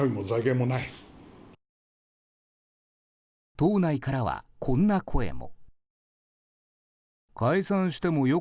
党内からは、こんな声も。